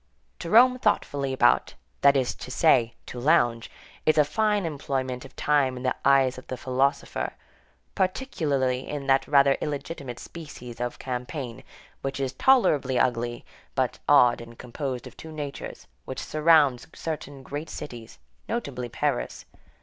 To roam thoughtfully about, that is to say, to lounge, is a fine employment of time in the eyes of the philosopher; particularly in that rather illegitimate species of campaign, which is tolerably ugly but odd and composed of two natures, which surrounds certain great cities, notably Paris.